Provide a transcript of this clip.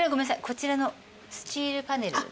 こちらのスチールパネル。